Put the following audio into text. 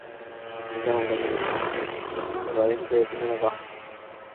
انه لمن المهم جداً الحصول على كفاية من الراحة.